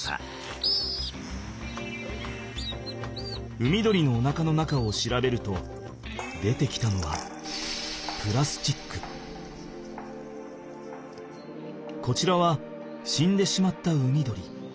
海鳥のおなかの中を調べると出てきたのはこちらは死んでしまった海鳥。